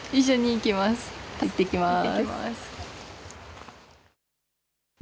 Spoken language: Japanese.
行ってきます。